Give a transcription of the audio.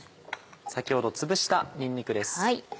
先ほどつぶしたにんにくです。